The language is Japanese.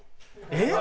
えっ？